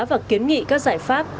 và kiến nghị các giải pháp